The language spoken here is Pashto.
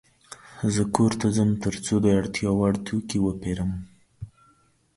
زه ښار ته ځم ترڅو د کور د اړتیا وړ توکې وپيرم.